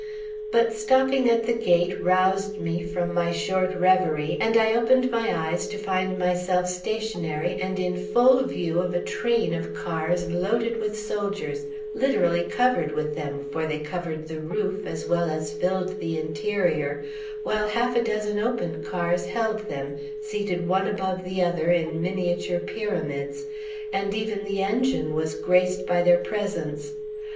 But stopping at the gate roused me from my short reverie, and I opened my eyes to find myself stationary, and in full view of a train of cars loaded with soldiers, literally covered with them; for they covered the roof, as well as filled the interior, while half a dozen open cars held them, seated one above the other in miniature pyramids, and even the engine was graced by their presence.